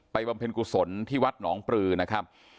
บำเพ็ญกุศลที่วัดหนองปลือนะครับ